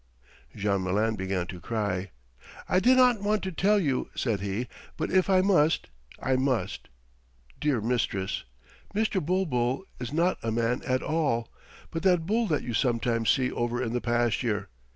Jean Malin began to cry. "I did not want to tell you," said he, "but if I must I must. Dear Mistress, Mr. Bulbul is not a man at all, but that bull that you sometimes see over in the pasture.